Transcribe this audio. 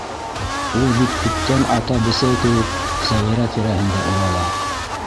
Ул бит күптән ата бесәй кеүек Сәғирә тирәһендә урала.